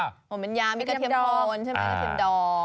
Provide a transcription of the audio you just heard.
มีกะเทียมดอง